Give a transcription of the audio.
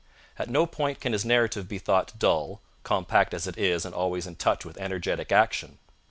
At no point can his narrative be thought dull, compact as it is and always in touch with energetic action.